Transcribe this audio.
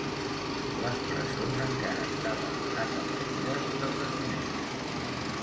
Les presons encara estaven atapeïdes de presoners